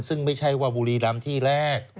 ซึ่งไม่ใช่ว่าบุรีรำที่แรก